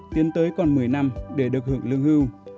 tiến tới còn một mươi năm để được hưởng lương hưu